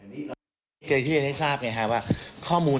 ได้ในการเข้าไปให้รับคำสั่งข้อมูล